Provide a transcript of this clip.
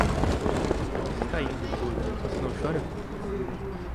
Onde você está indo, touro, você não chora?